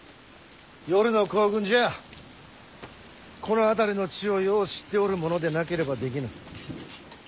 夜の行軍じゃこの辺りの地をよう知っておる者でなければできぬ。